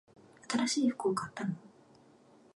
新しい服を買ったの？